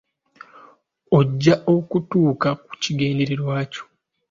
Ojja kutuuka ku kigendererwa kyo.